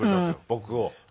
僕を。